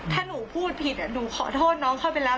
หนูขอโทษน้องเขาไปแล้วถ้าหนูพูดผิดอ่ะหนูขอโทษน้องเขาไปแล้ว